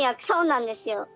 そうなんですよ。